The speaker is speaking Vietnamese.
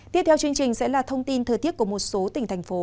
tiếp theo chương trình sẽ là thông tin thời tiết của một số tỉnh thành phố